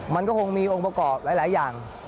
มันก็คงมีองค์ประกอบหลายอย่าง